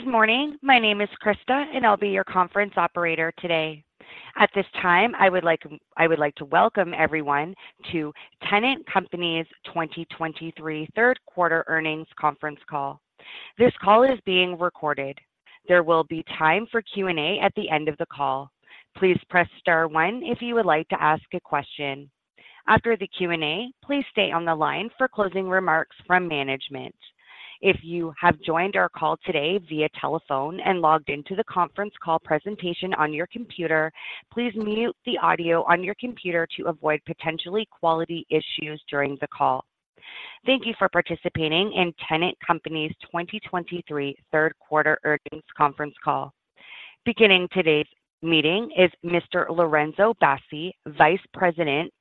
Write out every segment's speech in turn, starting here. Good morning. My name is Krista, and I'll be your conference operator today. At this time, I would like to welcome everyone to Tennant Company's 2023 Third Quarter Earnings Conference Call. This call is being recorded. There will be time for Q&A at the end of the call. Please press star one if you would like to ask a question. After the Q&A, please stay on the line for closing remarks from management. If you have joined our call today via telephone and logged into the conference call presentation on your computer, please mute the audio on your computer to avoid potentially quality issues during the call. Thank you for participating in Tennant Company's 2023 third quarter earnings conference call. Beginning today's meeting is Mr. Lorenzo Bassi, Vice President,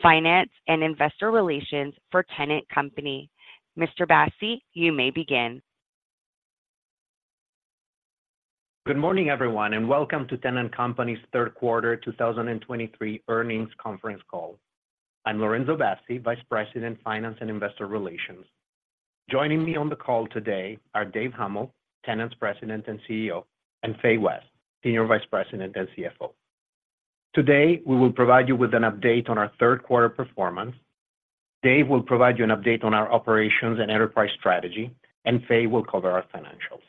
Finance and Investor Relations for Tennant Company. Mr. Bassi, you may begin. Good morning, everyone, and welcome to Tennant Company's third quarter 2023 earnings conference call. I'm Lorenzo Bassi, Vice President, Finance and Investor Relations. Joining me on the call today are Dave Huml, Tennant's President and CEO, and Fay West, Senior Vice President and CFO. Today, we will provide you with an update on our third quarter performance. Dave will provide you an update on our operations and enterprise strategy, and Fay will cover our financials.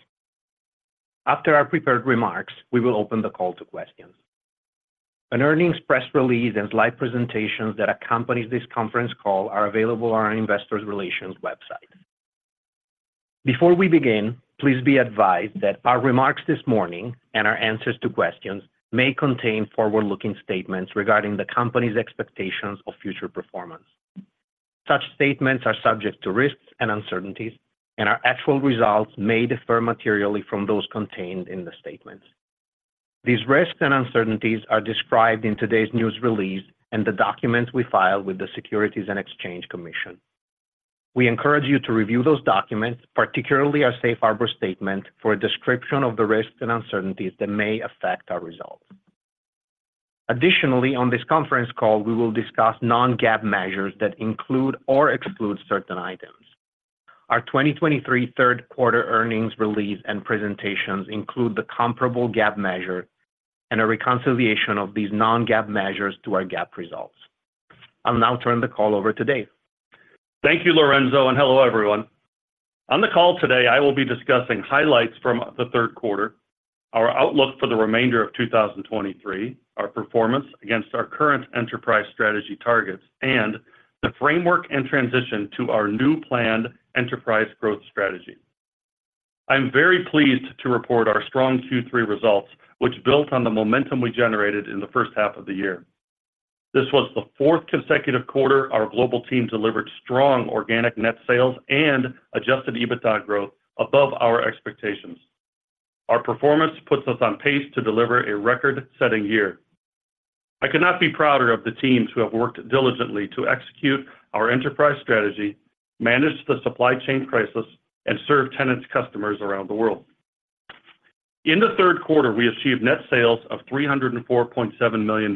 After our prepared remarks, we will open the call to questions. An earnings press release and slide presentations that accompany this conference call are available on our investor relations website. Before we begin, please be advised that our remarks this morning and our answers to questions may contain forward-looking statements regarding the company's expectations of future performance. Such statements are subject to risks and uncertainties, and our actual results may differ materially from those contained in the statements. These risks and uncertainties are described in today's news release and the documents we filed with the Securities and Exchange Commission. We encourage you to review those documents, particularly our safe harbor statement, for a description of the risks and uncertainties that may affect our results. Additionally, on this conference call, we will discuss non-GAAP measures that include or exclude certain items. Our 2023 third quarter earnings release and presentations include the comparable GAAP measure and a reconciliation of these non-GAAP measures to our GAAP results. I'll now turn the call over to Dave. Thank you, Lorenzo, and hello, everyone. On the call today, I will be discussing highlights from the third quarter, our outlook for the remainder of 2023, our performance against our current enterprise strategy targets, and the framework and transition to our new planned enterprise growth strategy. I'm very pleased to report our strong Q3 results, which built on the momentum we generated in the first half of the year. This was the fourth consecutive quarter our global team delivered strong organic net sales and adjusted EBITDA growth above our expectations. Our performance puts us on pace to deliver a record-setting year. I could not be prouder of the teams who have worked diligently to execute our enterprise strategy, manage the supply chain crisis, and serve Tennant's customers around the world. In the third quarter, we achieved net sales of $304.7 million,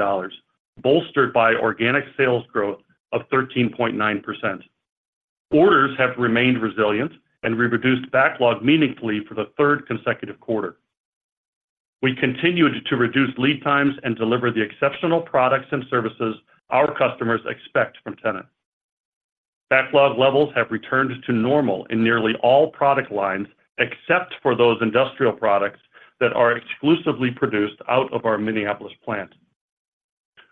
bolstered by organic sales growth of 13.9%. Orders have remained resilient and reduced backlog meaningfully for the third consecutive quarter. We continued to reduce lead times and deliver the exceptional products and services our customers expect from Tennant. Backlog levels have returned to normal in nearly all product lines, except for those industrial products that are exclusively produced out of our Minneapolis plant.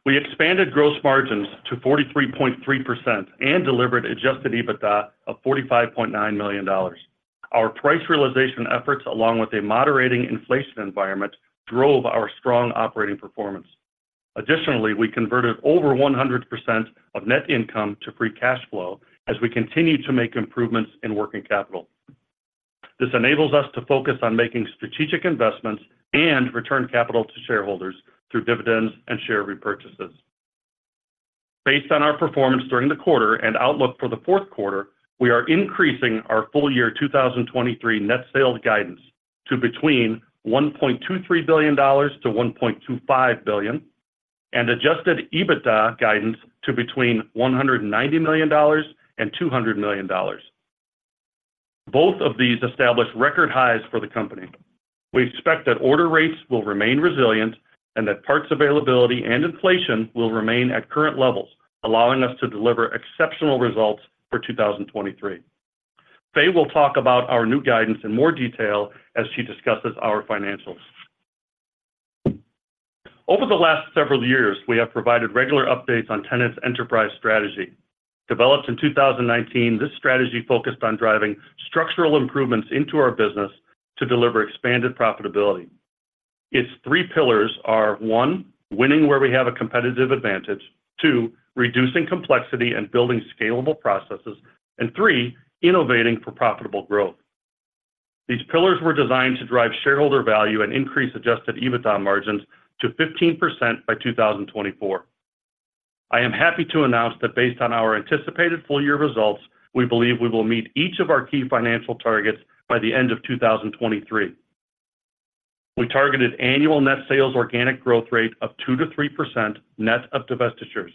We expanded gross margins to 43.3% and delivered adjusted EBITDA of $45.9 million. Our price realization efforts, along with a moderating inflation environment, drove our strong operating performance. Additionally, we converted over 100% of net income to free cash flow as we continued to make improvements in working capital. This enables us to focus on making strategic investments and return capital to shareholders through dividends and share repurchases. Based on our performance during the quarter and outlook for the fourth quarter, we are increasing our full-year 2023 net sales guidance to between $1.23 billion-$1.25 billion, and adjusted EBITDA guidance to between $190 million-$200 million. Both of these establish record highs for the company. We expect that order rates will remain resilient and that parts availability and inflation will remain at current levels, allowing us to deliver exceptional results for 2023. Fay will talk about our new guidance in more detail as she discusses our financials. Over the last several years, we have provided regular updates on Tennant's enterprise strategy. Developed in 2019, this strategy focused on driving structural improvements into our business to deliver expanded profitability. Its three pillars are: one, winning where we have a competitive advantage; two, reducing complexity and building scalable processes; and three, innovating for profitable growth. These pillars were designed to drive shareholder value and increase adjusted EBITDA margins to 15% by 2024. I am happy to announce that based on our anticipated full-year results, we believe we will meet each of our key financial targets by the end of 2023. We targeted annual net sales organic growth rate of 2%-3% net of divestitures.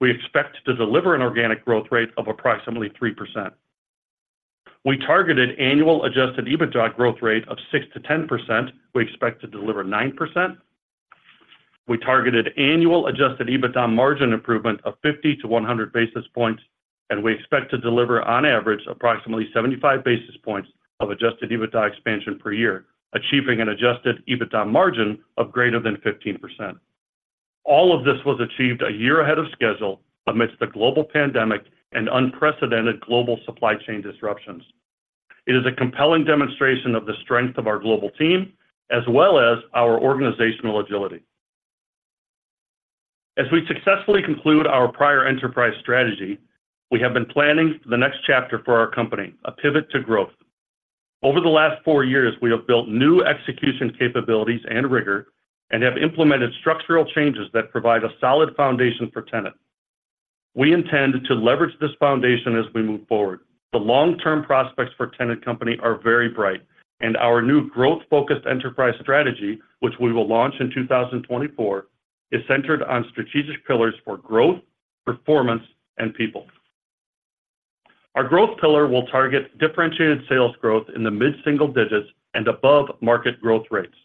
We expect to deliver an organic growth rate of approximately 3%. We targeted annual adjusted EBITDA growth rate of 6%-10%. We expect to deliver 9%. We targeted annual adjusted EBITDA margin improvement of 50-100 basis points, and we expect to deliver, on average, approximately 75 basis points of adjusted EBITDA expansion per year, achieving an adjusted EBITDA margin of greater than 15%. All of this was achieved a year ahead of schedule amidst a global pandemic and unprecedented global supply chain disruptions. It is a compelling demonstration of the strength of our global team, as well as our organizational agility. As we successfully conclude our prior enterprise strategy, we have been planning the next chapter for our company, a pivot to growth. Over the last four years, we have built new execution capabilities and rigor and have implemented structural changes that provide a solid foundation for Tennant. We intend to leverage this foundation as we move forward. The long-term prospects for Tennant Company are very bright, and our new growth-focused enterprise strategy, which we will launch in 2024, is centered on strategic pillars for growth, performance, and people. Our growth pillar will target differentiated sales growth in the mid-single digits and above-market growth rates.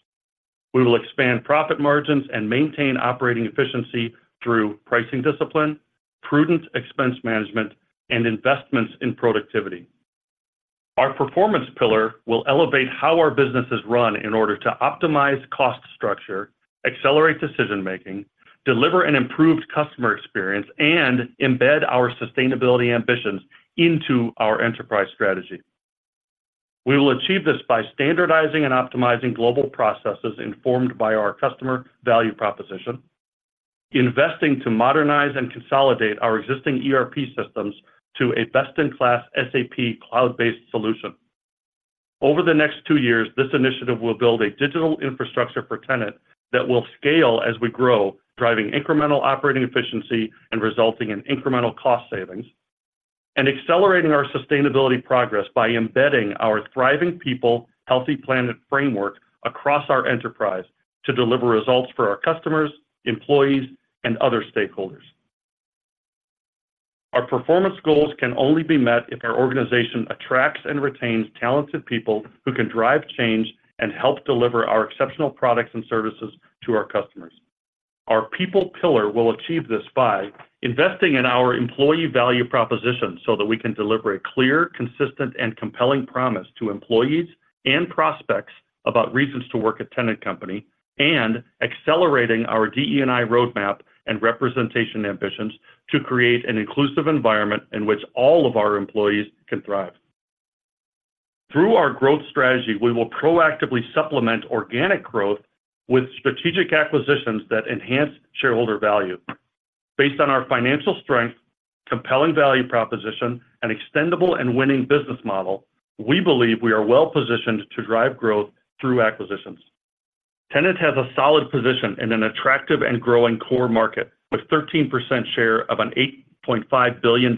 We will expand profit margins and maintain operating efficiency through pricing discipline, prudent expense management, and investments in productivity. Our performance pillar will elevate how our business is run in order to optimize cost structure, accelerate decision-making, deliver an improved customer experience, and embed our sustainability ambitions into our enterprise strategy. We will achieve this by standardizing and optimizing global processes informed by our customer value proposition, investing to modernize and consolidate our existing ERP systems to a best-in-class SAP cloud-based solution. Over the next two years, this initiative will build a digital infrastructure for Tennant that will scale as we grow, driving incremental operating efficiency and resulting in incremental cost savings, and accelerating our sustainability progress by embedding our "Thriving People. Healthy Planet." framework across our enterprise to deliver results for our customers, employees, and other stakeholders. Our performance goals can only be met if our organization attracts and retains talented people who can drive change and help deliver our exceptional products and services to our customers. Our people pillar will achieve this by investing in our employee value proposition so that we can deliver a clear, consistent, and compelling promise to employees and prospects about reasons to work at Tennant Company, and accelerating our DE&I roadmap and representation ambitions to create an inclusive environment in which all of our employees can thrive. Through our growth strategy, we will proactively supplement organic growth with strategic acquisitions that enhance shareholder value. Based on our financial strength, compelling value proposition, and extendable and winning business model, we believe we are well-positioned to drive growth through acquisitions. Tennant has a solid position in an attractive and growing core market, with 13% share of an $8.5 billion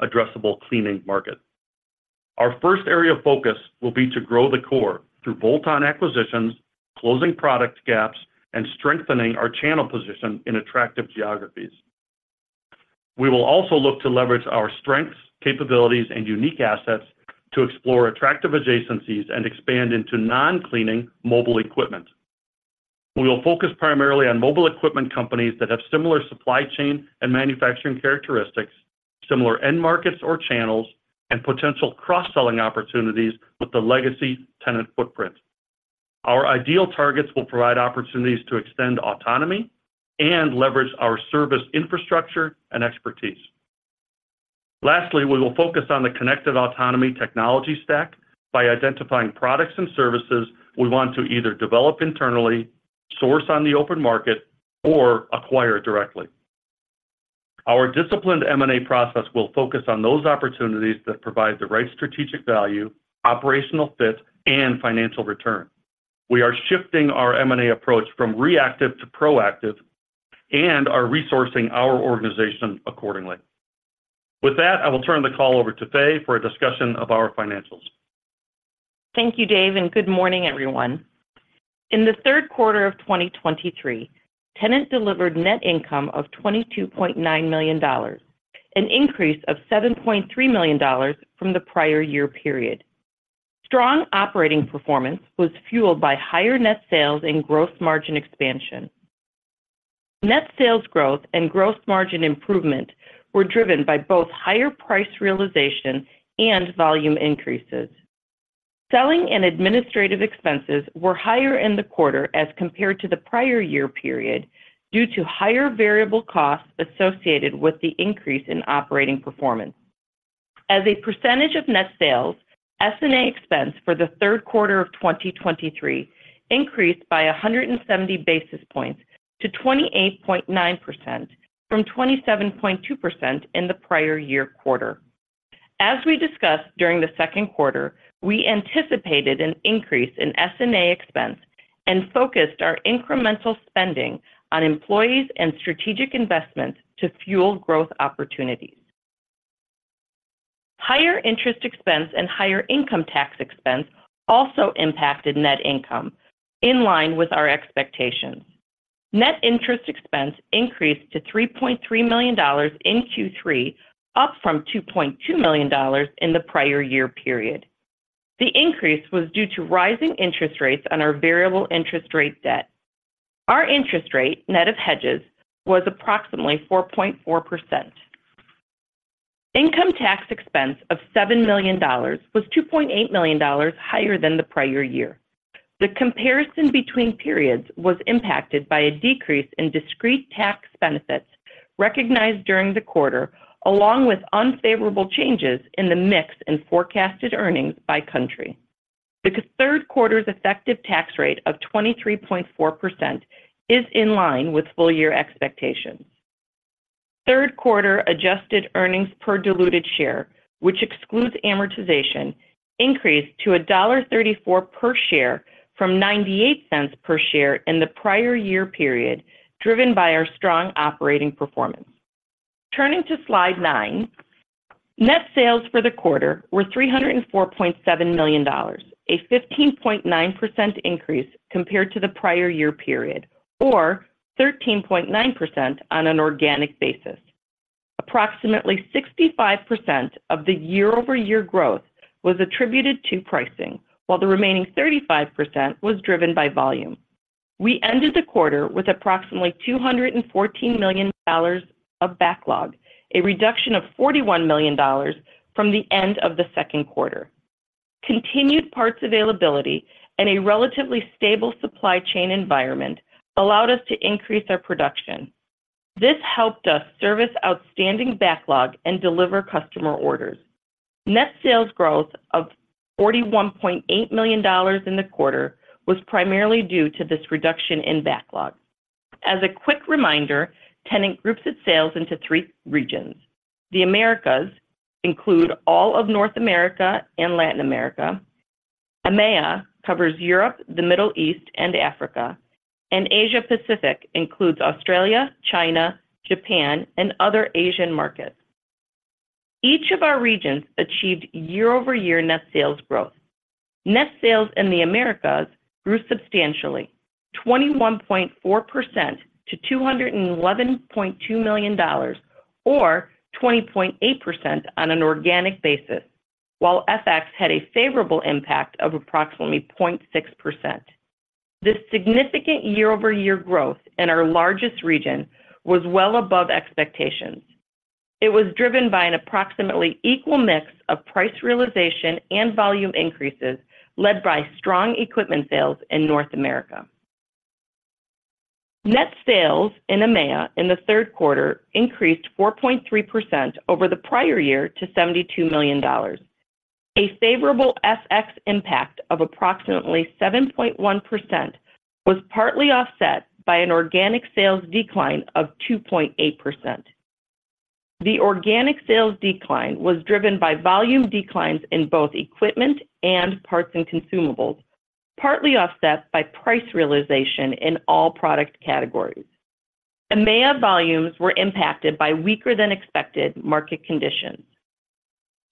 addressable cleaning market. Our first area of focus will be to grow the core through bolt-on acquisitions, closing product gaps, and strengthening our channel position in attractive geographies. We will also look to leverage our strengths, capabilities, and unique assets to explore attractive adjacencies and expand into non-cleaning mobile equipment. We will focus primarily on mobile equipment companies that have similar supply chain and manufacturing characteristics, similar end markets or channels, and potential cross-selling opportunities with the legacy Tennant footprint. Our ideal targets will provide opportunities to extend autonomy and leverage our service infrastructure and expertise. Lastly, we will focus on the connected autonomy technology stack by identifying products and services we want to either develop internally, source on the open market, or acquire directly. Our disciplined M&A process will focus on those opportunities that provide the right strategic value, operational fit, and financial return. We are shifting our M&A approach from reactive to proactive and are resourcing our organization accordingly. With that, I will turn the call over to Fay for a discussion of our financials. Thank you, Dave, and good morning, everyone. In the third quarter of 2023, Tennant delivered net income of $22.9 million, an increase of $7.3 million from the prior year period. Strong operating performance was fueled by higher net sales and gross margin expansion. Net sales growth and gross margin improvement were driven by both higher price realization and volume increases. Selling and administrative expenses were higher in the quarter as compared to the prior year period, due to higher variable costs associated with the increase in operating performance. As a percentage of net sales, S&A expense for the third quarter of 2023 increased by 170 basis points to 28.9% from 27.2% in the prior year quarter. As we discussed during the second quarter, we anticipated an increase in S&A expense and focused our incremental spending on employees and strategic investments to fuel growth opportunities. Higher interest expense and higher income tax expense also impacted net income, in line with our expectations. Net interest expense increased to $3.3 million in Q3, up from $2.2 million in the prior year period. The increase was due to rising interest rates on our variable interest rate debt. Our interest rate, net of hedges, was approximately 4.4%. Income tax expense of $7 million was $2.8 million higher than the prior year. The comparison between periods was impacted by a decrease in discrete tax benefits recognized during the quarter, along with unfavorable changes in the mix in forecasted earnings by country. The third quarter's effective tax rate of 23.4% is in line with full year expectations. Third quarter adjusted earnings per diluted share, which excludes amortization, increased to $1.34 per share from $0.98 per share in the prior year period, driven by our strong operating performance. Turning to Slide nine, net sales for the quarter were $304.7 million, a 15.9% increase compared to the prior year period, or 13.9% on an organic basis. Approximately 65% of the year-over-year growth was attributed to pricing, while the remaining 35% was driven by volume. We ended the quarter with approximately $214 million of backlog, a reduction of $41 million from the end of the second quarter. Continued parts availability and a relatively stable supply chain environment allowed us to increase our production. This helped us service outstanding backlog and deliver customer orders. Net sales growth of $41.8 million in the quarter was primarily due to this reduction in backlog. As a quick reminder, Tennant groups its sales into three regions. The Americas include all of North America and Latin America. EMEA covers Europe, the Middle East, and Africa, and Asia Pacific includes Australia, China, Japan, and other Asian markets. Each of our regions achieved year-over-year net sales growth. Net sales in the Americas grew substantially, 21.4% to $211.2 million, or 20.8% on an organic basis, while FX had a favorable impact of approximately 0.6%. This significant year-over-year growth in our largest region was well above expectations. It was driven by an approximately equal mix of price realization and volume increases, led by strong equipment sales in North America. Net sales in EMEA in the third quarter increased 4.3% over the prior year to $72 million. A favorable FX impact of approximately 7.1% was partly offset by an organic sales decline of 2.8%. The organic sales decline was driven by volume declines in both equipment and parts and consumables, partly offset by price realization in all product categories. EMEA volumes were impacted by weaker than expected market conditions.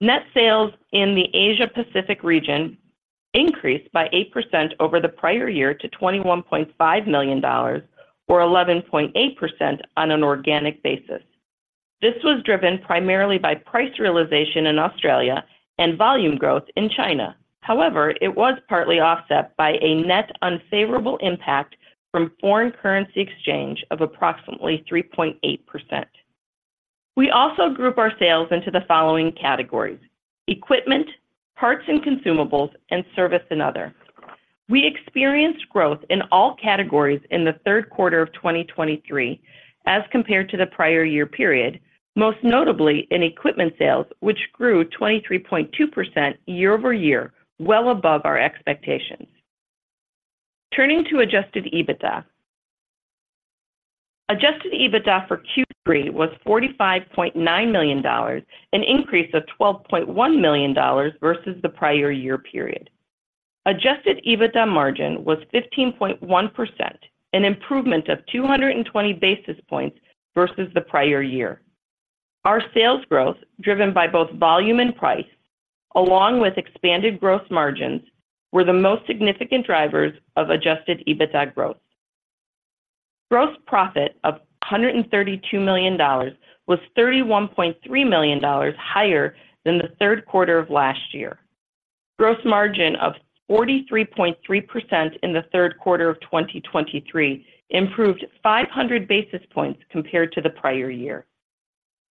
Net sales in the Asia Pacific region increased by 8% over the prior year to $21.5 million or 11.8% on an organic basis. This was driven primarily by price realization in Australia and volume growth in China. However, it was partly offset by a net unfavorable impact from foreign currency exchange of approximately 3.8%. We also group our sales into the following categories: equipment, parts and consumables, and service and other. We experienced growth in all categories in the third quarter of 2023 as compared to the prior year period, most notably in equipment sales, which grew 23.2% year-over-year, well above our expectations. Turning to adjusted EBITDA. Adjusted EBITDA for Q3 was $45.9 million, an increase of $12.1 million versus the prior year period. Adjusted EBITDA margin was 15.1%, an improvement of 220 basis points versus the prior year. Our sales growth, driven by both volume and price, along with expanded gross margins, were the most significant drivers of adjusted EBITDA growth. Gross profit of $132 million was $31.3 million higher than the third quarter of last year. Gross margin of 43.3% in the third quarter of 2023 improved 500 basis points compared to the prior year.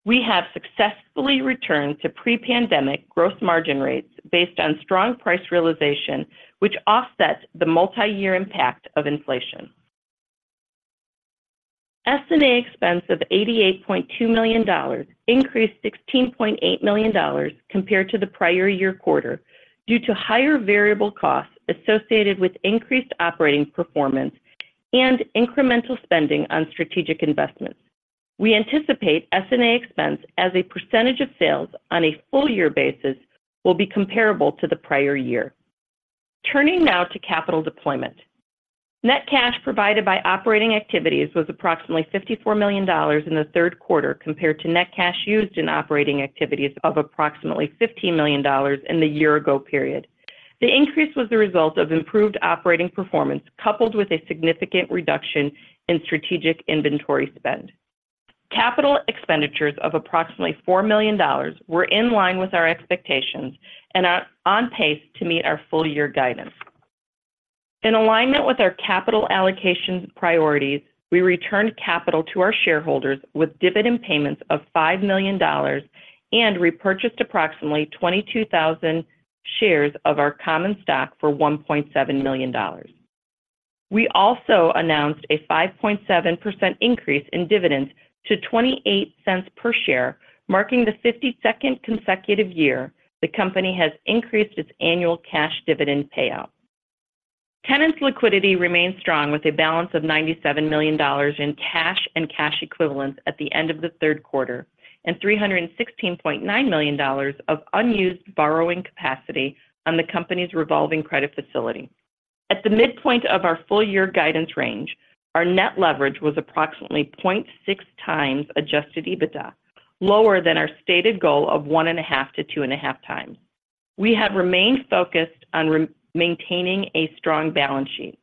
We have successfully returned to pre-pandemic gross margin rates based on strong price realization, which offsets the multi-year impact of inflation. S&A expense of $88.2 million increased $16.8 million compared to the prior year quarter due to higher variable costs associated with increased operating performance and incremental spending on strategic investments. We anticipate S&A expense as a percentage of sales on a full year basis will be comparable to the prior year. Turning now to capital deployment. Net cash provided by operating activities was approximately $54 million in the third quarter compared to net cash used in operating activities of approximately $15 million in the year-ago period. The increase was the result of improved operating performance, coupled with a significant reduction in strategic inventory spend. Capital expenditures of approximately $4 million were in line with our expectations and are on pace to meet our full-year guidance. In alignment with our capital allocation priorities, we returned capital to our shareholders with dividend payments of $5 million and repurchased approximately 22,000 shares of our common stock for $1.7 million. We also announced a 5.7% increase in dividends to $0.28 per share, marking the 52nd consecutive year the company has increased its annual cash dividend payout. Tennant's liquidity remains strong, with a balance of $97 million in cash and cash equivalents at the end of the third quarter, and $316.9 million of unused borrowing capacity on the company's revolving credit facility. At the midpoint of our full year guidance range, our net leverage was approximately 0.6 times adjusted EBITDA, lower than our stated goal of 1.5-2.5 times. We have remained focused on remaining maintaining a strong balance sheet.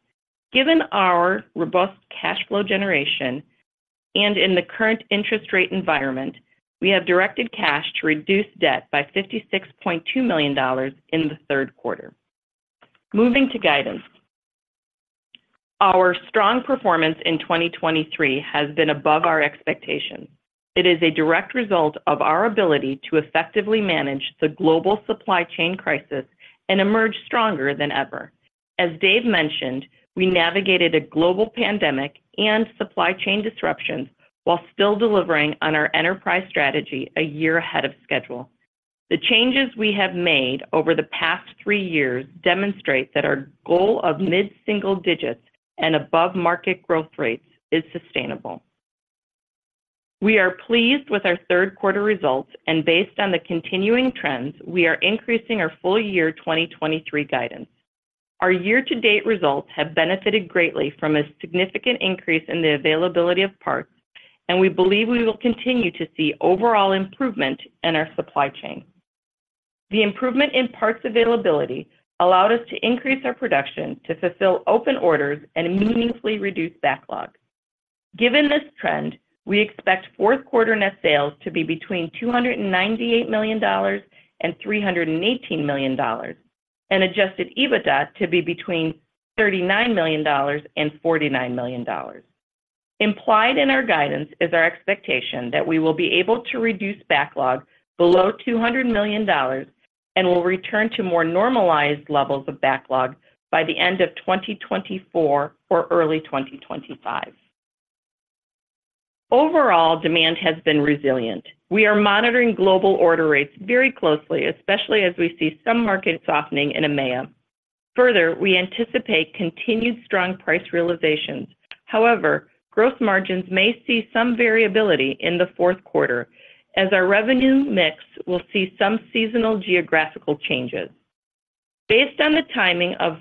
Given our robust cash flow generation and in the current interest rate environment, we have directed cash to reduce debt by $56.2 million in the third quarter. Moving to guidance. Our strong performance in 2023 has been above our expectations. It is a direct result of our ability to effectively manage the global supply chain crisis and emerge stronger than ever. As Dave mentioned, we navigated a global pandemic and supply chain disruptions while still delivering on our enterprise strategy a year ahead of schedule. The changes we have made over the past three years demonstrate that our goal of mid-single digits and above-market growth rates is sustainable. We are pleased with our third quarter results, and based on the continuing trends, we are increasing our full-year 2023 guidance. Our year-to-date results have benefited greatly from a significant increase in the availability of parts, and we believe we will continue to see overall improvement in our supply chain. The improvement in parts availability allowed us to increase our production to fulfill open orders and meaningfully reduce backlog. Given this trend, we expect fourth quarter net sales to be between $298 million and $318 million, and adjusted EBITDA to be between $39 million and $49 million. Implied in our guidance is our expectation that we will be able to reduce backlog below $200 million and will return to more normalized levels of backlog by the end of 2024 or early 2025. Overall, demand has been resilient. We are monitoring global order rates very closely, especially as we see some market softening in EMEA. Further, we anticipate continued strong price realizations. However, gross margins may see some variability in the fourth quarter as our revenue mix will see some seasonal geographical changes. Based on the timing of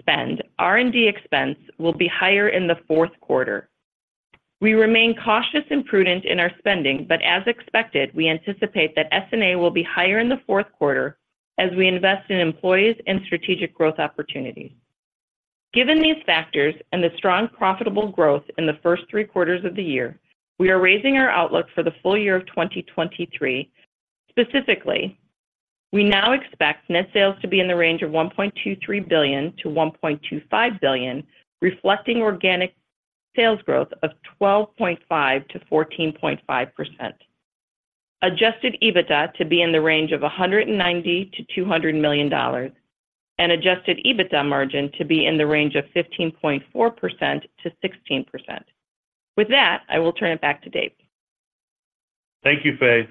spend, R&D expense will be higher in the fourth quarter. We remain cautious and prudent in our spending, but as expected, we anticipate that S&A will be higher in the fourth quarter as we invest in employees and strategic growth opportunities. Given these factors and the strong, profitable growth in the first three quarters of the year, we are raising our outlook for the full year of 2023. Specifically, we now expect net sales to be in the range of $1.23 billion-$1.25 billion, reflecting organic sales growth of 12.5%-14.5%. Adjusted EBITDA to be in the range of $190 million-$200 million, and adjusted EBITDA margin to be in the range of 15.4%-16%. With that, I will turn it back to Dave. Thank you, Fay.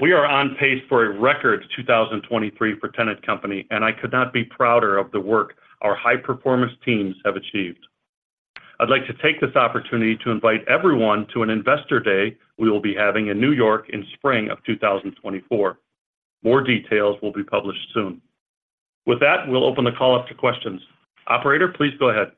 We are on pace for a record 2023 for Tennant Company, and I could not be prouder of the work our high-performance teams have achieved. I'd like to take this opportunity to invite everyone to an investor day we will be having in New York in spring of 2024. More details will be published soon. With that, we'll open the call up to questions. Operator, please go ahead.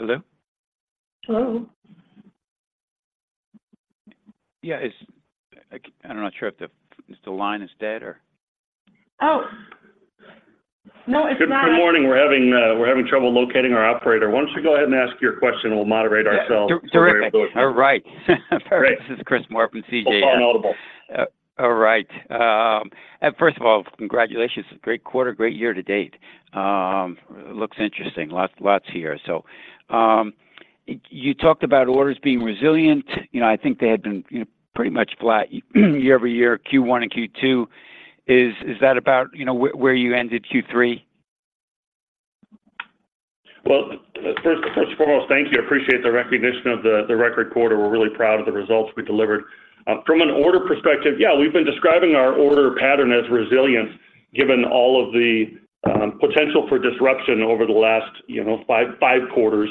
Hello? Hello. Yeah, I'm not sure if the line is dead or? Oh, no, it's not. Good morning. We're having, we're having trouble locating our operator. Why don't you go ahead and ask your question, and we'll moderate ourselves. Yeah, terrific. So we're able to. All right. Great. This is Chris Moore from CJS. So far. All right. And first of all, congratulations. Great quarter, great year to date. Looks interesting. Lots, lots here. So, you talked about orders being resilient. You know, I think they had been, you know, pretty much flat year-over-year, Q1 and Q2. Is that about, you know, where you end in Q3? Well, first and foremost, thank you. I appreciate the recognition of the record quarter. We're really proud of the results we delivered. From an order perspective, yeah, we've been describing our order pattern as resilient, given all of the potential for disruption over the last, you know, five quarters,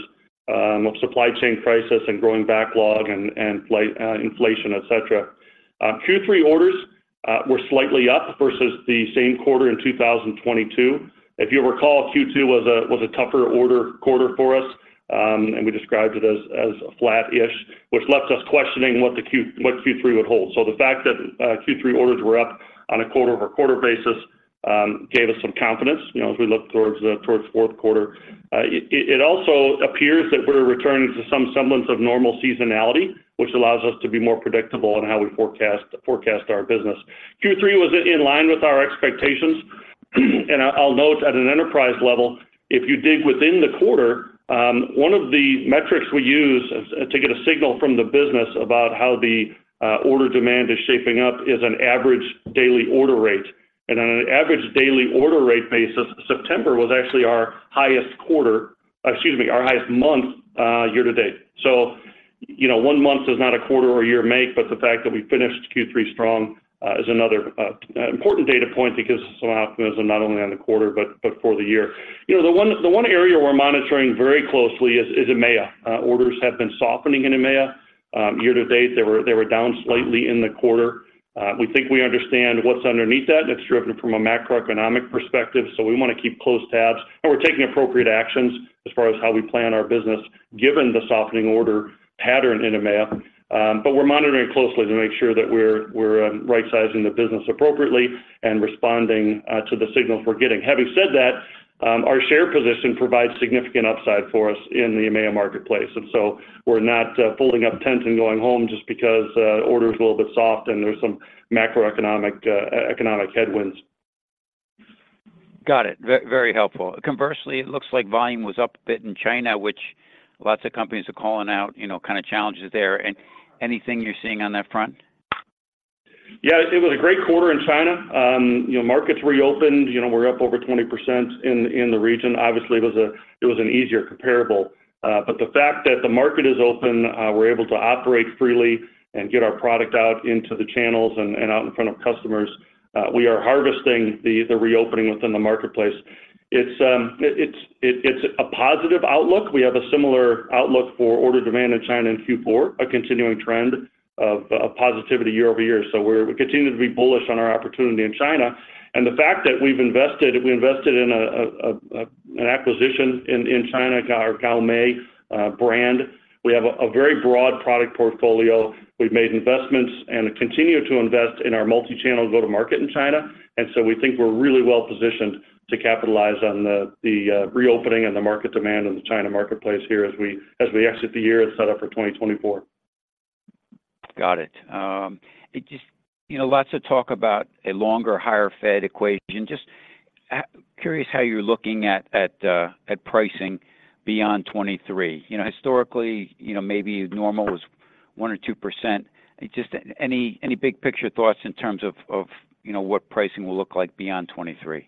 of supply chain crisis and growing backlog and inflation, et cetera. Q3 orders were slightly up versus the same quarter in 2022. If you recall, Q2 was a tougher order quarter for us, and we described it as flat-ish, which left us questioning what Q3 would hold. So the fact that Q3 orders were up on a quarter-over-quarter basis gave us some confidence, you know, as we look towards the fourth quarter. It also appears that we're returning to some semblance of normal seasonality, which allows us to be more predictable in how we forecast our business. Q3 was in line with our expectations, and I'll note at an enterprise level, if you dig within the quarter, one of the metrics we use as to get a signal from the business about how the order demand is shaping up, is an average daily order rate. And on an average daily order rate basis, September was actually our highest quarter. Excuse me, our highest month, year to date. So, you know, one month does not a quarter or a year make, but the fact that we finished Q3 strong is another important data point because some optimism not only on the quarter, but for the year. You know, the one area we're monitoring very closely is EMEA. Orders have been softening in EMEA. Year to date, they were down slightly in the quarter. We think we understand what's underneath that, and it's driven from a macroeconomic perspective, so we want to keep close tabs, and we're taking appropriate actions as far as how we plan our business, given the softening order pattern in EMEA. But we're monitoring closely to make sure that we're right-sizing the business appropriately and responding to the signals we're getting. Having said that, our share position provides significant upside for us in the EMEA marketplace, and so we're not pulling up tents and going home just because order is a little bit soft and there's some macroeconomic economic headwinds. Got it. Very helpful. Conversely, it looks like volume was up a bit in China, which lots of companies are calling out, you know, kind of challenges there. And anything you're seeing on that front? Yeah, it was a great quarter in China. You know, markets reopened. You know, we're up over 20% in the region. Obviously, it was an easier comparable. But the fact that the market is open, we're able to operate freely and get our product out into the channels and out in front of customers, we are harvesting the reopening within the marketplace. It's a positive outlook. We have a similar outlook for order demand in China in Q4, a continuing trend of positivity year-over-year. So we continue to be bullish on our opportunity in China. And the fact that we've invested in an acquisition in China, our GAOMEI brand, we have a very broad product portfolio. We've made investments and continue to invest in our multi-channel go-to-market in China, and so we think we're really well positioned to capitalize on the reopening and the market demand in the China marketplace here as we exit the year and set up for 2024. Got it. It just. You know, lots of talk about a longer, higher Fed equation. Just curious how you're looking at pricing beyond 2023. You know, historically, you know, maybe normal was 1% or 2%. Just any big-picture thoughts in terms of you know, what pricing will look like beyond 2023?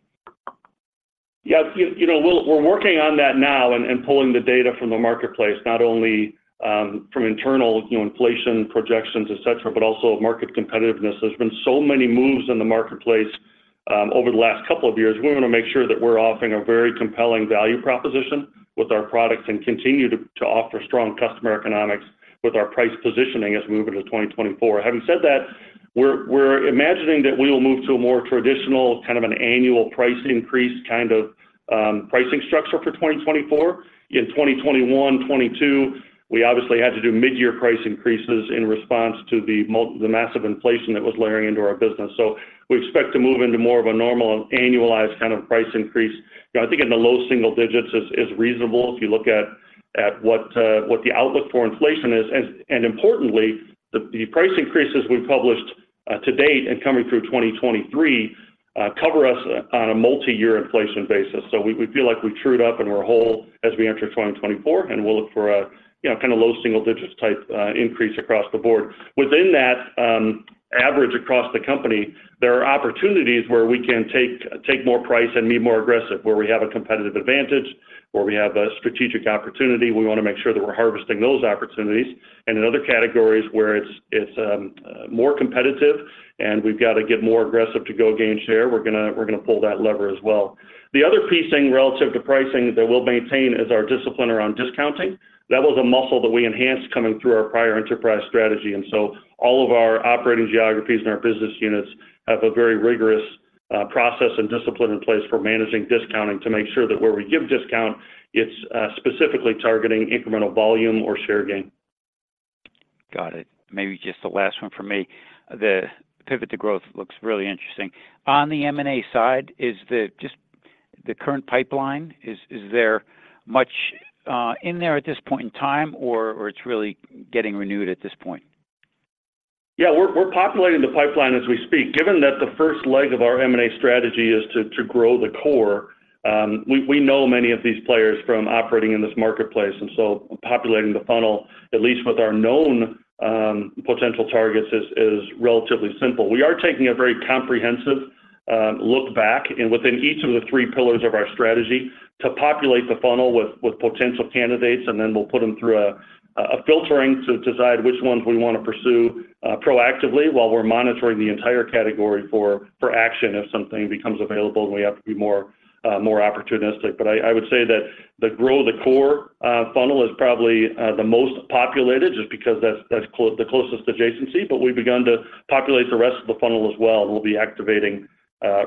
Yeah, you know, we're working on that now and pulling the data from the marketplace, not only from internal, you know, inflation projections, et cetera, but also market competitiveness. There's been so many moves in the marketplace over the last couple of years. We wanna make sure that we're offering a very compelling value proposition with our products and continue to offer strong customer economics with our price positioning as we move into 2024. Having said that, we're imagining that we will move to a more traditional, kind of an annual price increase kind of pricing structure for 2024. In 2021, 2022, we obviously had to do mid-year price increases in response to the massive inflation that was layering into our business. So we expect to move into more of a normal annualized kind of price increase. I think in the low single digits is reasonable if you look at what the outlook for inflation is. And importantly, the price increases we've published to date and coming through 2023 cover us on a multi-year inflation basis. So we feel like we're trued up and we're whole as we enter 2024, and we'll look for a, you know, kind of low single digits type increase across the board. Within that, average across the company, there are opportunities where we can take more price and be more aggressive, where we have a competitive advantage, where we have a strategic opportunity. We wanna make sure that we're harvesting those opportunities. In other categories where it's more competitive and we've got to get more aggressive to go gain share, we're gonna pull that lever as well. The other key thing relative to pricing that we'll maintain is our discipline around discounting. That was a muscle that we enhanced coming through our prior enterprise strategy, and so all of our operating geographies and our business units have a very rigorous process and discipline in place for managing discounting to make sure that where we give discount, it's specifically targeting incremental volume or share gain. Got it. Maybe just the last one from me. The pivot to growth looks really interesting. On the M&A side, is the just the current pipeline, is there much in there at this point in time, or it's really getting renewed at this point? Yeah, we're populating the pipeline as we speak. Given that the first leg of our M&A strategy is to grow the core, we know many of these players from operating in this marketplace, and so populating the funnel, at least with our known potential targets, is relatively simple. We are taking a very comprehensive look back and within each of the three pillars of our strategy, to populate the funnel with potential candidates, and then we'll put them through a filtering to decide which ones we wanna pursue proactively, while we're monitoring the entire category for action if something becomes available and we have to be more opportunistic. But I would say that the grow the core funnel is probably the most populated, just because that's the closest adjacency, but we've begun to populate the rest of the funnel as well, and we'll be activating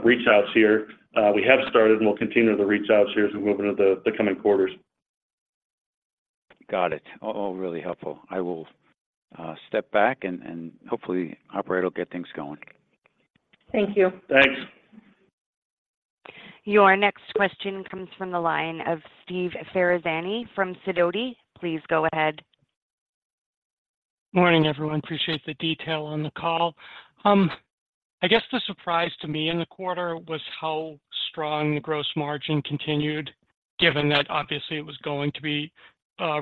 reach-outs here. We have started, and we'll continue the reach-outs here as we move into the coming quarters. Got it. All really helpful. I will step back and hopefully, operator will get things going. Thank you. Thanks. Your next question comes from the line of Steve Ferazani from Sidoti. Please go ahead. Morning, everyone. Appreciate the detail on the call. I guess the surprise to me in the quarter was how strong the gross margin continued, given that obviously it was going to be,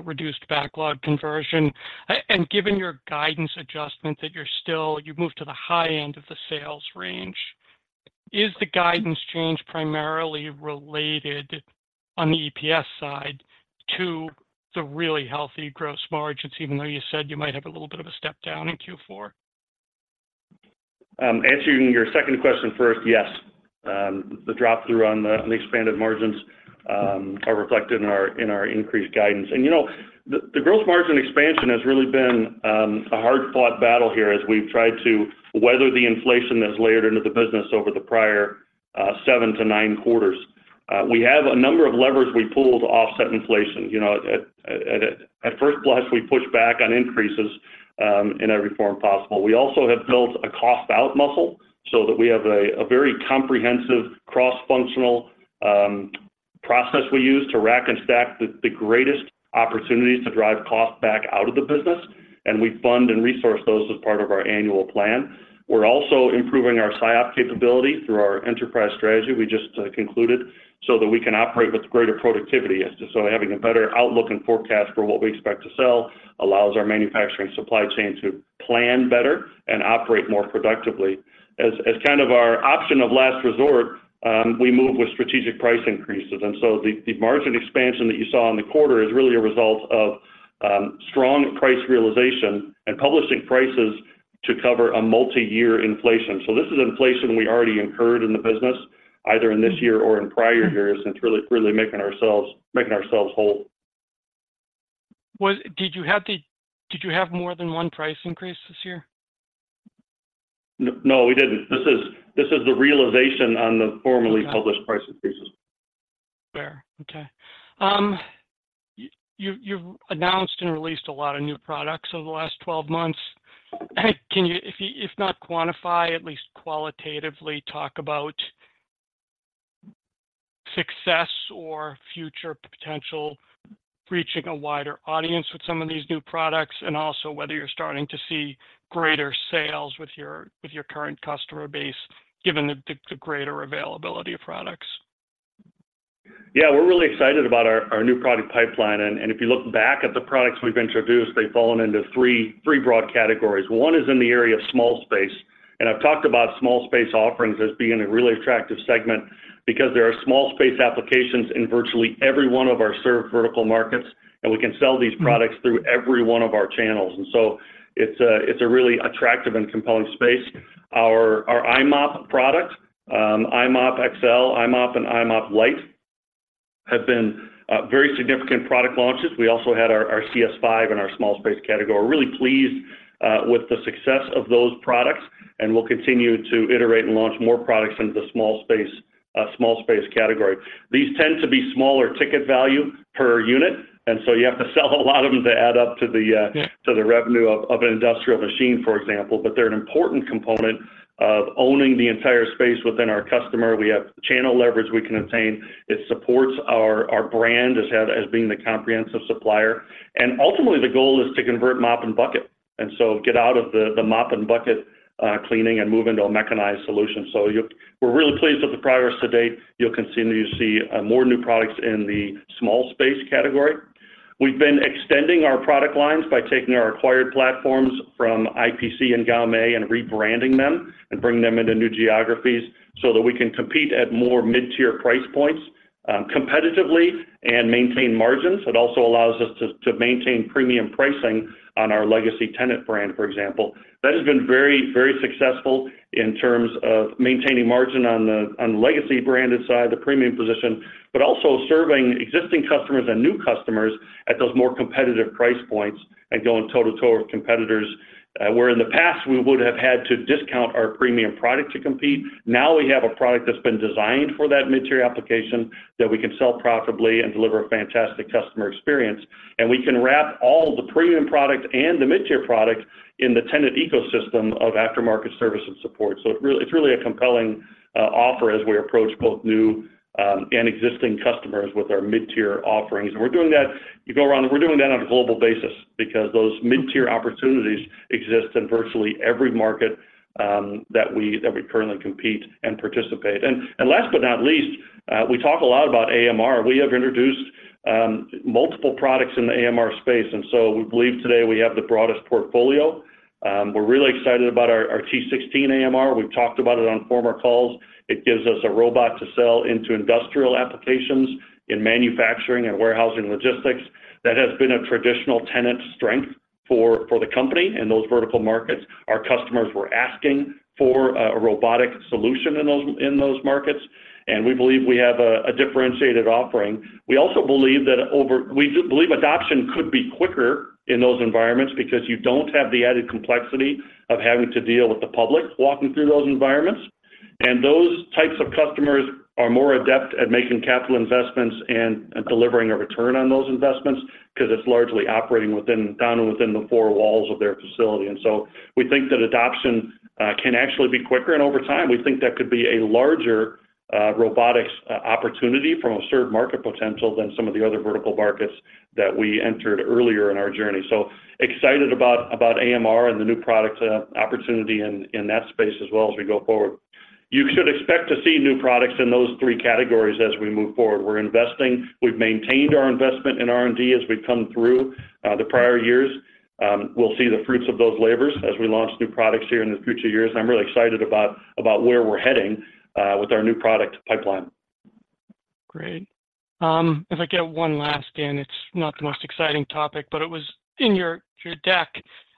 reduced backlog conversion. And given your guidance adjustment, that you're still. You moved to the high end of the sales range. Is the guidance change primarily related, on the EPS side, to the really healthy gross margins, even though you said you might have a little bit of a step down in Q4? Answering your second question first, yes. The drop-through on the expanded margins are reflected in our increased guidance. You know, the gross margin expansion has really been a hard-fought battle here as we've tried to weather the inflation that's layered into the business over the prior seven to nine quarters. We have a number of levers we pull to offset inflation. You know, at first blush, we push back on increases in every form possible. We also have built a cost-out muscle, so that we have a very comprehensive cross-functional process we use to rack and stack the greatest opportunities to drive cost back out of the business, and we fund and resource those as part of our annual plan. We're also improving our SIOP capability through our enterprise strategy we just concluded, so that we can operate with greater productivity. And so having a better outlook and forecast for what we expect to sell allows our manufacturing supply chain to plan better and operate more productively. As, as kind of our option of last resort, we move with strategic price increases, and so the, the margin expansion that you saw in the quarter is really a result of strong price realization and publishing prices to cover a multiyear inflation. So this is inflation we already incurred in the business, either in this year or in prior years, and it's really, really making ourselves, making ourselves whole. Did you have more than one price increase this year? No, we didn't. This is the realization on the formerly published price increases. Fair. Okay. You've announced and released a lot of new products over the last 12 months. Can you, if not quantify, at least qualitatively talk about success or future potential, reaching a wider audience with some of these new products, and also whether you're starting to see greater sales with your current customer base, given the greater availability of products? Yeah, we're really excited about our new product pipeline, and if you look back at the products we've introduced, they've fallen into three broad categories. One is in the area of small space, and I've talked about small space offerings as being a really attractive segment because there are small space applications in virtually every one of our served vertical markets, and we can sell these products through every one of our channels. So it's a really attractive and compelling space. Our i-mop product, i-mop XL, i-mop, and i-mop Lite have been very significant product launches. We also had our CS5 in our small space category. We're really pleased with the success of those products, and we'll continue to iterate and launch more products into the small space category. These tend to be smaller ticket value per unit, and so you have to sell a lot of them to add up to the to the revenue of an industrial machine, for example. But they're an important component of owning the entire space within our customer. We have channel leverage we can obtain. It supports our brand as having, as being the comprehensive supplier. And ultimately, the goal is to convert mop-and-bucket, and so get out of the mop-and-bucket cleaning and move into a mechanized solution. We're really pleased with the progress to date. You'll continue to see more new products in the small space category. We've been extending our product lines by taking our acquired platforms from IPC and GAOMEI and rebranding them, and bringing them into new geographies so that we can compete at more mid-tier price points competitively and maintain margins. It also allows us to maintain premium pricing on our legacy Tennant brand, for example. That has been very, very successful in terms of maintaining margin on the legacy branded side, the premium position, but also serving existing customers and new customers at those more competitive price points and going toe-to-toe with competitors. Where in the past, we would have had to discount our premium product to compete, now we have a product that's been designed for that mid-tier application, that we can sell profitably and deliver a fantastic customer experience. And we can wrap all the premium products and the mid-tier products in the Tennant ecosystem of aftermarket service and support. So it's really, it's really a compelling offer as we approach both new and existing customers with our mid-tier offerings. And we're doing that, you go around, and we're doing that on a global basis because those mid-tier opportunities exist in virtually every market that we currently compete and participate in. And last but not least, we talk a lot about AMR. We have introduced multiple products in the AMR space, and so we believe today we have the broadest portfolio. We're really excited about our T16AMR. We've talked about it on former calls. It gives us a robot to sell into industrial applications, in manufacturing, and warehousing logistics. That has been a traditional Tennant strength for the company in those vertical markets. Our customers were asking for a robotic solution in those markets, and we believe we have a differentiated offering. We also believe that over. We believe adoption could be quicker in those environments because you don't have the added complexity of having to deal with the public walking through those environments. And those types of customers are more adept at making capital investments and at delivering a return on those investments, 'cause it's largely operating within, down within the four walls of their facility. And so we think that adoption can actually be quicker, and over time, we think that could be a larger robotics opportunity from a served market potential than some of the other vertical markets that we entered earlier in our journey. So excited about AMR and the new product opportunity in that space as well as we go forward. You should expect to see new products in those three categories as we move forward. We're investing. We've maintained our investment in R&D as we've come through the prior years. We'll see the fruits of those labors as we launch new products here in the future years. I'm really excited about where we're heading with our new product pipeline. Great. If I get one last, Dave, it's not the most exciting topic, but it was in your deck.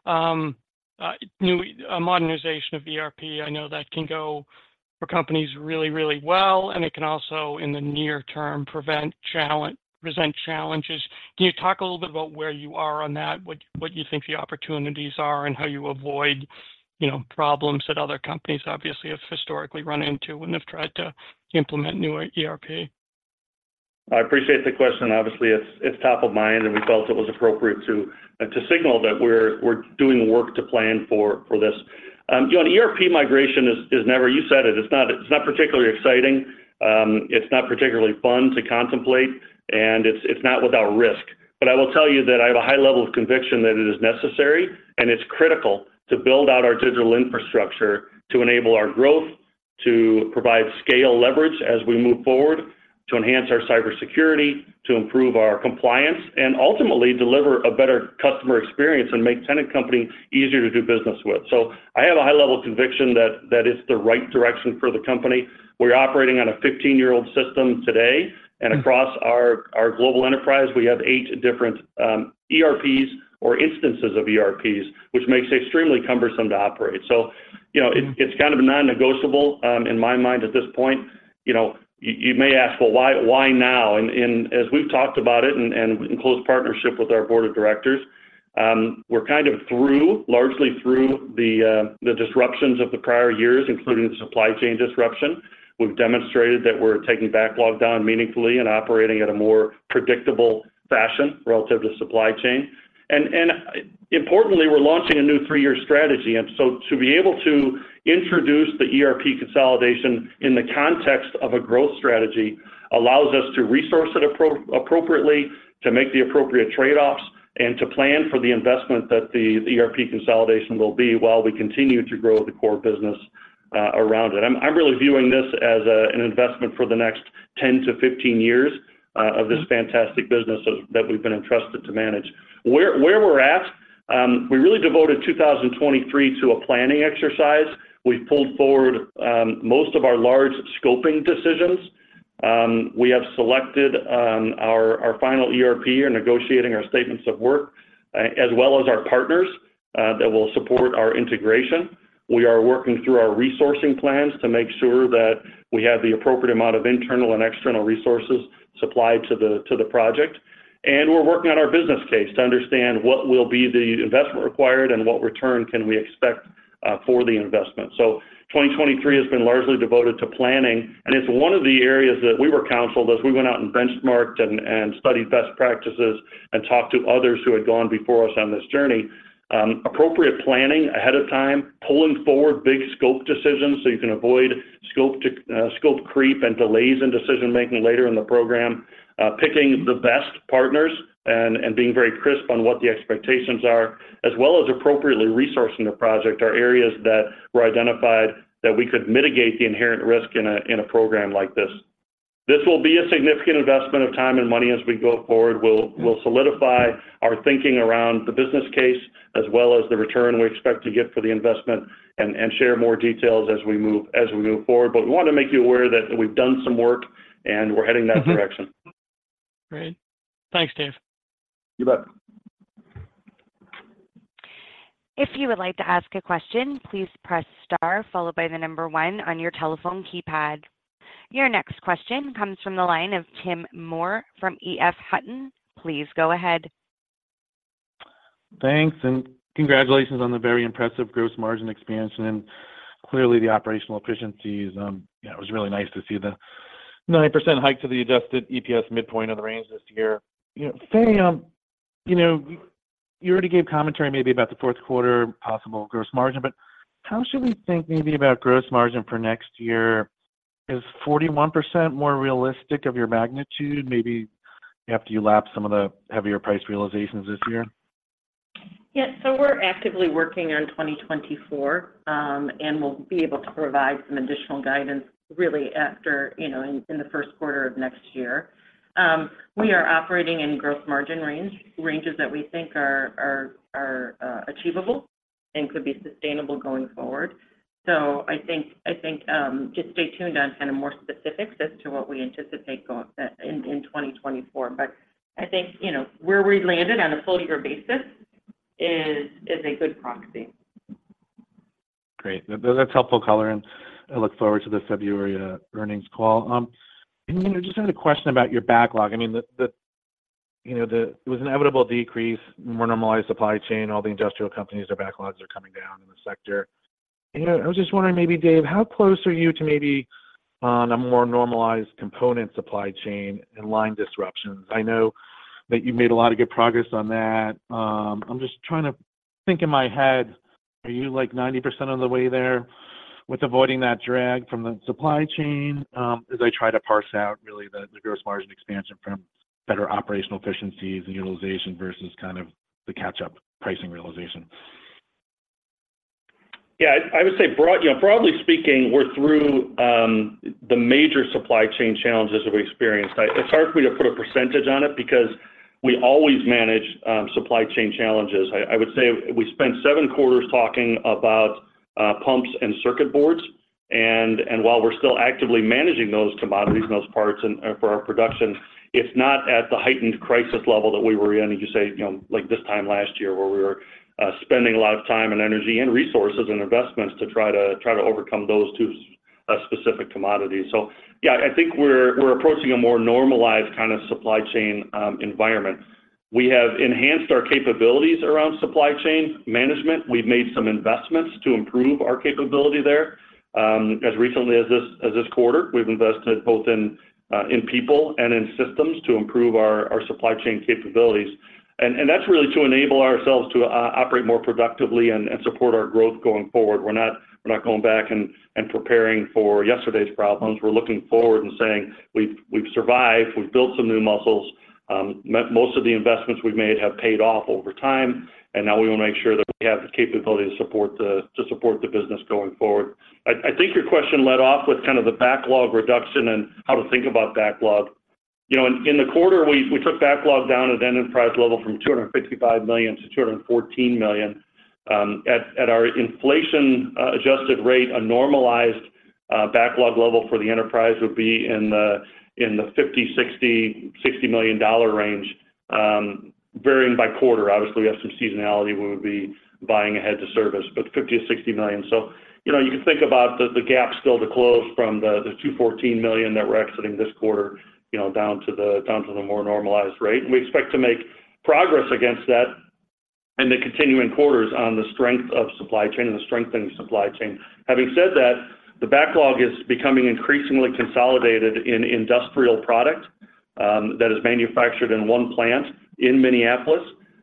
New modernization of ERP, I know that can go for companies really, really well, and it can also, in the near term, present challenges. Can you talk a little bit about where you are on that, what you think the opportunities are, and how you avoid, you know, problems that other companies obviously have historically run into when they've tried to implement new ERP? I appreciate the question. Obviously, it's top of mind, and we felt it was appropriate to signal that we're doing the work to plan for this. You know, an ERP migration is never. You said it, it's not particularly exciting, it's not particularly fun to contemplate, and it's not without risk. But I will tell you that I have a high level of conviction that it is necessary, and it's critical to build out our digital infrastructure, to enable our growth, to provide scale leverage as we move forward, to enhance our cybersecurity, to improve our compliance, and ultimately, deliver a better customer experience and make Tennant Company easier to do business with. So I have a high level of conviction that that is the right direction for the company. We're operating on a 15-year-old system today, and across our global enterprise, we have eight different ERPs or instances of ERPs, which makes it extremely cumbersome to operate. So you know, it's kind of non-negotiable in my mind at this point. You know, you may ask, "Well, why now?" And as we've talked about it and in close partnership with our board of directors, we're kind of through, largely through the disruptions of the prior years, including the supply chain disruption. We've demonstrated that we're taking backlog down meaningfully and operating at a more predictable fashion relative to supply chain. Importantly, we're launching a new three-year strategy, and so to be able to introduce the ERP consolidation in the context of a growth strategy, allows us to resource it appropriately, to make the appropriate trade-offs, and to plan for the investment that the ERP consolidation will be, while we continue to grow the core business around it. I'm really viewing this as an investment for the next 10 to 15 years of this fantastic business that we've been entrusted to manage. Where we're at, we really devoted 2023 to a planning exercise. We pulled forward most of our large scoping decisions. We have selected our final ERP. We're negotiating our statements of work as well as our partners that will support our integration. We are working through our resourcing plans to make sure that we have the appropriate amount of internal and external resources supplied to the project. We're working on our business case to understand what will be the investment required and what return can we expect for the investment. So 2023 has been largely devoted to planning, and it's one of the areas that we were counseled, as we went out and benchmarked and studied best practices, and talked to others who had gone before us on this journey. Appropriate planning ahead of time, pulling forward big scope decisions so you can avoid scope creep and delays in decision-making later in the program, picking the best partners and being very crisp on what the expectations are, as well as appropriately resourcing the project, are areas that were identified that we could mitigate the inherent risk in a program like this. This will be a significant investment of time and money as we go forward. We'll solidify our thinking around the business case, as well as the return we expect to get for the investment, and share more details as we move forward. But we want to make you aware that we've done some work, and we're heading in that direction. Great. Thanks, Dave. You bet. If you would like to ask a question, please press star followed by the number one on your telephone keypad. Your next question comes from the line of Tim Moore from EF Hutton. Please go ahead. Thanks, and congratulations on the very impressive gross margin expansion, and clearly, the operational efficiencies. Yeah, it was really nice to see the 90% hike to the adjusted EPS midpoint of the range this year. You know, Fay, you know, you already gave commentary maybe about the fourth quarter possible gross margin, but how should we think maybe about gross margin for next year? Is 41% more realistic of your magnitude, maybe after you lap some of the heavier price realizations this year? Yeah. So we're actively working on 2024, and we'll be able to provide some additional guidance really after, you know, in the first quarter of next year. We are operating in gross margin ranges that we think are achievable and could be sustainable going forward. So I think, just stay tuned on kind of more specifics as to what we anticipate in 2024. But I think, you know, where we landed on a full year basis is a good proxy. Great. That's helpful color, and I look forward to the February earnings call. And, you know, I just had a question about your backlog. I mean, it was an inevitable decrease, more normalized supply chain. All the industrial companies, their backlogs are coming down in the sector. And, you know, I was just wondering, maybe, Dave, how close are you to maybe on a more normalized component supply chain and line disruptions? I know that you've made a lot of good progress on that. I'm just trying to think in my head, are you, like, 90% of the way there with avoiding that drag from the supply chain? As I try to parse out really the gross margin expansion from better operational efficiencies and utilization versus kind of the catch-up pricing realization. Yeah, I, I would say broad, you know, broadly speaking, we're through the major supply chain challenges that we experienced. It's hard for me to put a percentage on it because we always manage supply chain challenges. I, I would say we spent seven quarters talking about pumps and circuit boards, and, and while we're still actively managing those commodities and those parts and for our production, it's not at the heightened crisis level that we were in, as you say, you know, like this time last year, where we were spending a lot of time and energy and resources and investments to try to, try to overcome those two specific commodities. So yeah, I think we're, we're approaching a more normalized kind of supply chain environment. We have enhanced our capabilities around supply chain management. We've made some investments to improve our capability there. As recently as this quarter, we've invested both in people and in systems to improve our supply chain capabilities. That's really to enable ourselves to operate more productively and support our growth going forward. We're not going back and preparing for yesterday's problems. We're looking forward and saying, "We've survived. We've built some new muscles. Most of the investments we've made have paid off over time, and now we want to make sure that we have the capability to support the business going forward." I think your question led off with kind of the backlog reduction and how to think about backlog. You know, in the quarter, we took backlog down at the enterprise level from $255 million-$214 million. At our inflation adjusted rate, a normalized backlog level for the enterprise would be in the $50 million-$60 million range, varying by quarter. Obviously, we have some seasonality where we'd be buying ahead to service, but $50 million-$60 million. So, you know, you can think about the gap still to close from the $214 million that we're exiting this quarter, you know, down to the more normalized rate. And we expect to make progress against that in the continuing quarters on the strength of supply chain and the strengthening supply chain. Having said that, the backlog is becoming increasingly consolidated in industrial product that is manufactured in one plant in Minneapolis,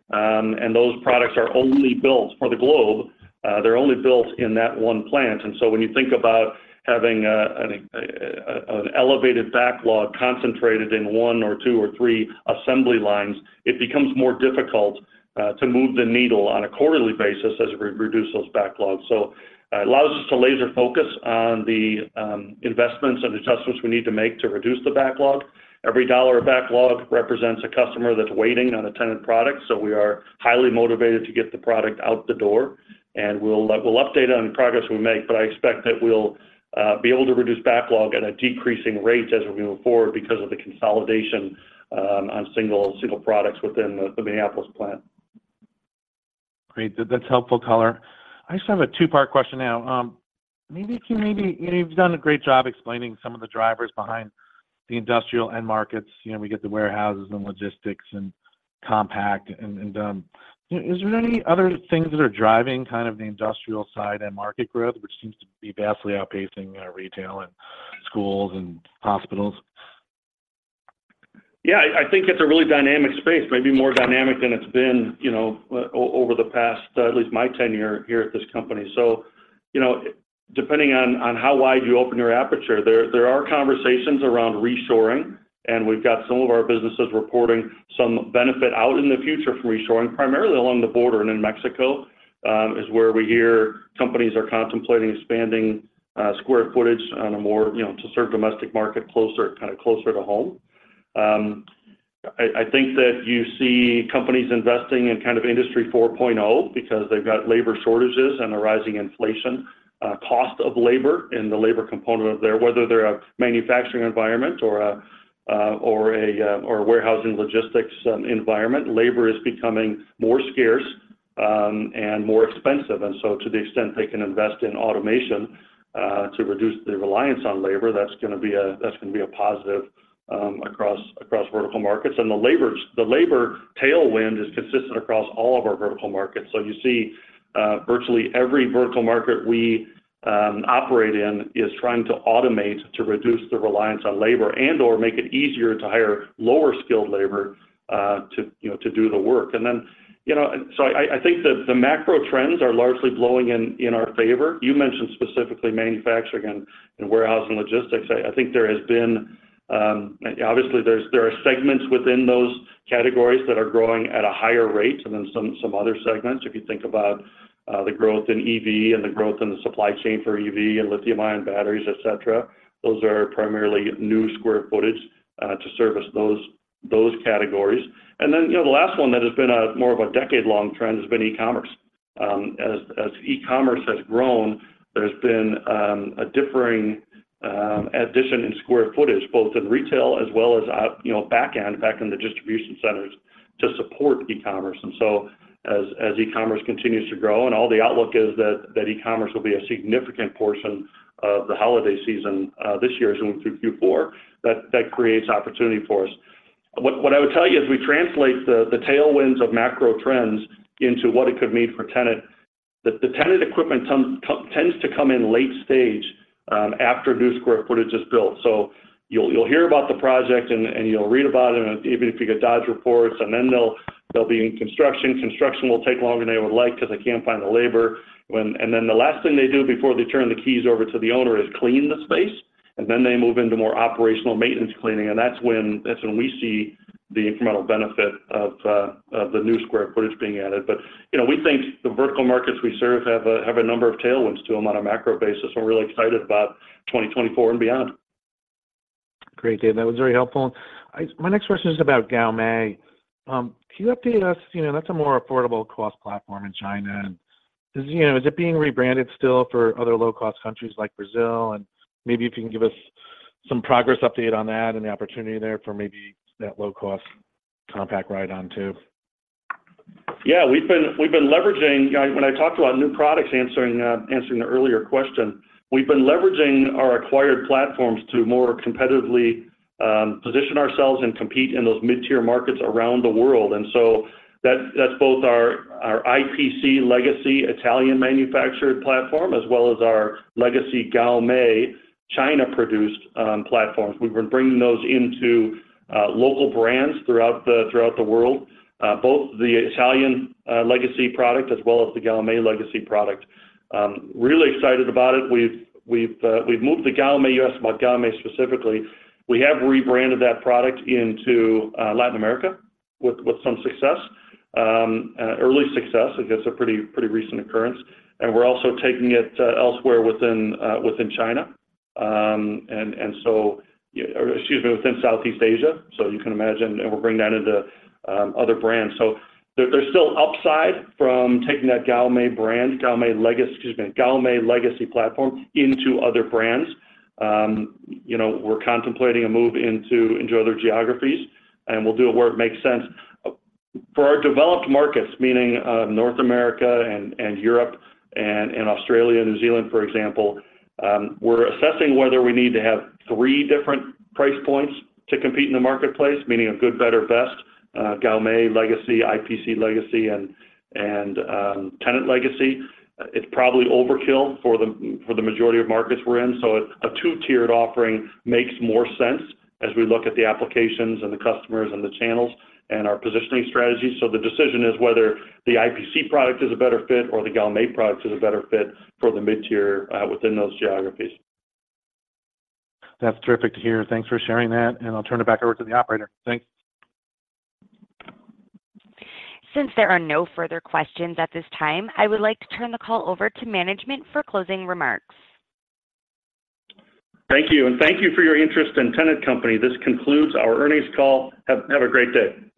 and those products are only built for the globe. They're only built in that one plant. And so when you think about having an elevated backlog concentrated in one or two or three assembly lines, it becomes more difficult to move the needle on a quarterly basis as we reduce those backlogs. So, it allows us to laser focus on the investments and adjustments we need to make to reduce the backlog. Every dollar of backlog represents a customer that's waiting on a Tennant product, so we are highly motivated to get the product out the door, and we'll update on the progress we make. I expect that we'll be able to reduce backlog at a decreasing rate as we move forward because of the consolidation on single products within the Minneapolis plant. Great. That's helpful color. I just have a two-part question now. You've done a great job explaining some of the drivers behind the industrial end markets. You know, we get the warehouses and logistics and compact. Is there any other things that are driving kind of the industrial side and market growth, which seems to be vastly outpacing retail and schools and hospitals? Yeah, I think it's a really dynamic space, maybe more dynamic than it's been, you know, over the past, at least my tenure here at this company. So, you know, depending on how wide you open your aperture, there are conversations around reshoring, and we've got some of our businesses reporting some benefit out in the future from reshoring, primarily along the border. And in Mexico is where we hear companies are contemplating expanding square footage on a more, you know, to serve domestic market closer, kind of closer to home. I think that you see companies investing in kind of Industry 4.0 because they've got labor shortages and a rising inflation, cost of labor and the labor component of their, whether they're a manufacturing environment or a warehousing logistics environment, labor is becoming more scarce, and more expensive. And so to the extent they can invest in automation, to reduce the reliance on labor, that's gonna be a positive, across vertical markets. And the labor tailwind is consistent across all of our vertical markets. So you see, virtually every vertical market we operate in is trying to automate to reduce the reliance on labor and/or make it easier to hire lower-skilled labor, to, you know, to do the work. And then, you know, and so I, I think that the macro trends are largely blowing in, in our favor. You mentioned specifically manufacturing and, and warehouse and logistics. I, I think there has been, obviously, there's, there are segments within those categories that are growing at a higher rate than some, some other segments. If you think about, the growth in EV and the growth in the supply chain for EV and lithium-ion batteries, et cetera, those are primarily new square footage, to service those, those categories. And then, you know, the last one that has been a more of a decade-long trend has been e-commerce. As, as e-commerce has grown, there's been, a differing, addition in square footage, both in retail as well as out, you know, back-end, back in the distribution centers to support e-commerce. And so as e-commerce continues to grow, and all the outlook is that e-commerce will be a significant portion of the holiday season this year as we move through Q4, that creates opportunity for us. What I would tell you as we translate the tailwinds of macro trends into what it could mean for Tennant, that the Tennant equipment tends to come in late stage after new square footage is built. So you'll hear about the project, and you'll read about it, and even if you get Dodge reports, and then they'll be in construction. Construction will take longer than they would like because they can't find the labor when. And then the last thing they do before they turn the keys over to the owner is clean the space, and then they move into more operational maintenance cleaning, and that's when, that's when we see the incremental benefit of, of the new square footage being added. But, you know, we think the vertical markets we serve have a, have a number of tailwinds to them on a macro basis. So we're really excited about 2024 and beyond. Great, Dave. That was very helpful. My next question is about GAOMEI. Can you update us? You know, that's a more affordable cost platform in China, and, you know, is it being rebranded still for other low-cost countries like Brazil? And maybe if you can give us some progress update on that and the opportunity there for maybe that low-cost compact ride-on too? Yeah, we've been leveraging when I talked about new products, answering the earlier question, we've been leveraging our acquired platforms to more competitively position ourselves and compete in those mid-tier markets around the world. And so that's both our IPC legacy Italian-manufactured platform, as well as our legacy GAOMEI China-produced platforms. We've been bringing those into local brands throughout the world, both the Italian legacy product as well as the GAOMEI legacy product. Really excited about it. We've moved the GAOMEI. You asked about GAOMEI specifically. We have rebranded that product into Latin America with some success, early success. I guess, a pretty recent occurrence. And we're also taking it elsewhere within China. And so, excuse me, within Southeast Asia, so you can imagine, and we're bringing that into other brands. So there, there's still upside from taking that GAOMEI brand, GAOMEI legacy, excuse me, GAOMEI legacy platform into other brands. You know, we're contemplating a move into other geographies, and we'll do it where it makes sense. For our developed markets, meaning North America and Europe and Australia, New Zealand, for example, we're assessing whether we need to have three different price points to compete in the marketplace, meaning a good, better, best, GAOMEI legacy, IPC legacy, and Tennant legacy. It's probably overkill for the majority of markets we're in, so a two-tiered offering makes more sense as we look at the applications and the customers and the channels and our positioning strategies. The decision is whether the IPC product is a better fit or the GAOMEI product is a better fit for the mid-tier within those geographies. That's terrific to hear. Thanks for sharing that, and I'll turn it back over to the operator. Thanks. Since there are no further questions at this time, I would like to turn the call over to management for closing remarks. Thank you, and thank you for your interest in Tennant Company. This concludes our earnings call. Have a great day.